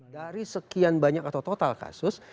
dari sekian banyak atau total kasus